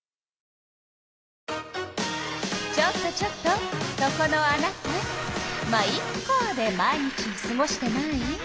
ちょっとちょっとそこのあなた「ま、イッカ」で毎日をすごしてない？